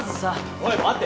おい待て。